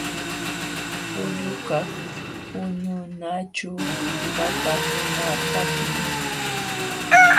Pullukaq puñunaćhu qatakunapaqmi.